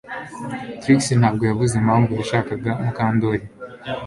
Trix ntabwo yavuze impamvu yashakaga Mukandoli